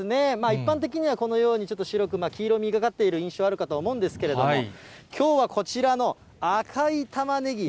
一般的には、このようにちょっと白く、黄色みがかっている印象あるかと思うんですけれども、きょうはこちらの赤いたまねぎ。